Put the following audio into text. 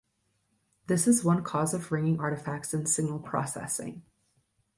This is one cause of ringing artifacts in signal processing.